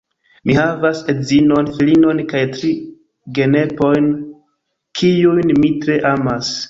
Mi havas edzinon, filinon kaj tri genepojn, kiujn mi tre amas.